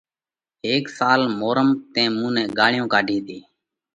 هيڪ سال مورمئہ تئين مُون نئہ ڳاۯيون ڪاڍي تي۔